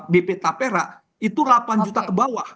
bp tapera itu delapan juta ke bawah